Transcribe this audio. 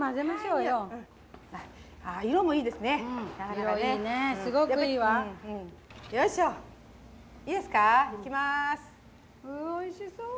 うわおいしそう！